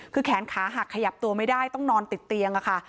คือแขนขาหักขยับตัวไม่ได้ต้องนอนติดเตียงค่ะ